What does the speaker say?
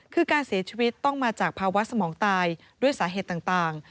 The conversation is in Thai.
คือการเสียชีวิตต้องมาจากภาวะสมองตายด้วยสาเหตุต่าง